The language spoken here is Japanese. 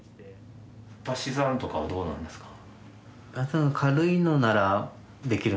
足し算とかはどうなんですか？